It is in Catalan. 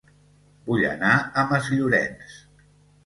Vull anar a Masllorenç